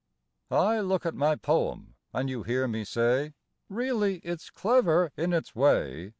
I look at my poem and you hear me say: "Really, it's clever in its way.